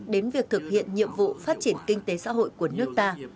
đến việc thực hiện nhiệm vụ phát triển kinh tế xã hội của nước ta